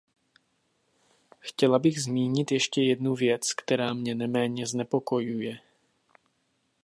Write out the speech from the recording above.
Chtěla bych zmínit ještě jednu věc, která mě neméně znepokojuje.